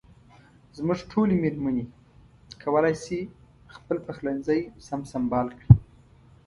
زموږ ټولې مېرمنې کولای شي خپل پخلنځي سم سنبال کړي.